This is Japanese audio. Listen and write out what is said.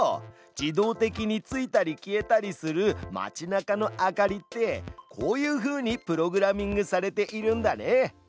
自動的についたり消えたりする街なかの明かりってこういうふうにプログラミングされているんだね。